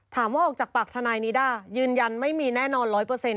ถามว่าออกจากปากทนายนิด้ายืนยันไม่มีแน่นอน๑๐๐